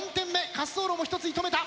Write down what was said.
滑走路も１つ射止めた。